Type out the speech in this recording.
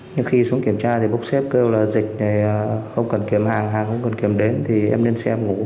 nhưng khi xuống kiểm tra thì bốc xếp kêu là dịch này không cần kiểm hàng hàng không cần kiểm đến thì em lên xe em ngủ